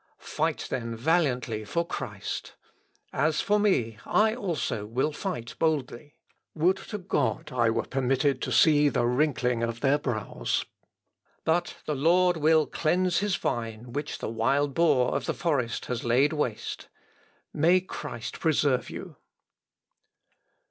Fight then valiantly for Christ. As for me I also will fight boldly. Would to God I were permitted to see the wrinkling of their brows. But the Lord will cleanse his vine which the wild boar of the forest has laid waste.... May Christ preserve you!"